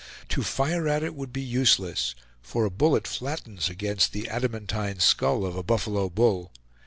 To fire at it would be useless, for a bullet flattens against the adamantine skull of a buffalo bull.